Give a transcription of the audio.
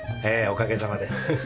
ええおかげさまで。